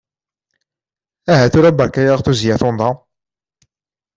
Aha tura berka-aɣ tuzya tunḍa!